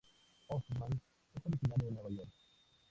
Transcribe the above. Hoffman es originario de Nueva York.